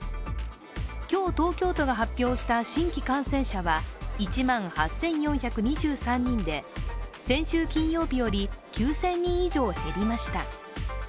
今日、東京都が発表した新規感染者は１万８４２３人で、先週金曜日より９０００人以上、減りました。